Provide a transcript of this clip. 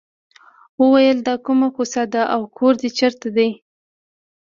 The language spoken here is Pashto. وویل دا کومه کوڅه ده او کور دې چېرته دی.